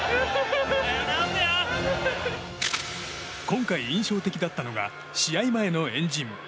今回、印象的だったのが試合前の円陣。